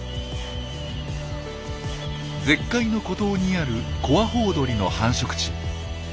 絶海の孤島にあるコアホウドリの繁殖地。